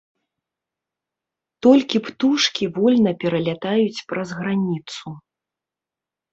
Толькі птушкі вольна пералятаюць праз граніцу.